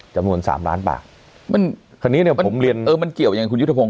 จำนวนสามล้านบาทมันคราวนี้เนี่ยผมเรียนเออมันเกี่ยวอย่างคุณยุทธพงศ